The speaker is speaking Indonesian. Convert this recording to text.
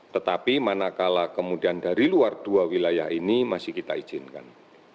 tetapi manakala kemudian dari luar dua wilayah ini masih kita izinkan